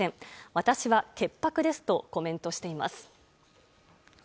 私は潔白ですとコメントしています。